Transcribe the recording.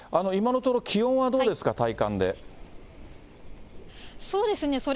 今のところ、気温はどうですか、そうですね。